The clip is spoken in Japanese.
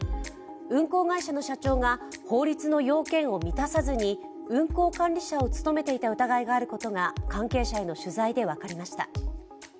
運航会社の社長が法律の要件を満たさずに運航管理者を務めていた疑いがあることが関係者への取材で分かりました。